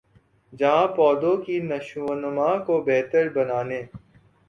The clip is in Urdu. جہاں پودوں کی نشوونما کو بہتر بنانے